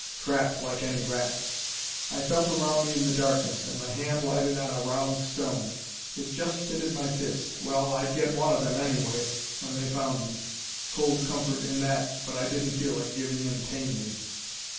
Trapped like any rat. I felt around me in the darkness and my hand lighted on a round stone. It just fitted my fist. Well, I'd get one of them, anyway, when they found me. Cold comfort in that, but I didn't feel like giving in tamely.